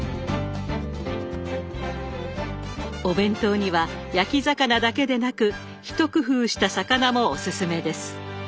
お弁当には焼き魚だけでなく一工夫した魚もおすすめです。